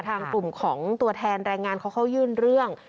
ทางกลุ่มของตัวแทนแรงงานเขาเข้ายื่นเรื่อง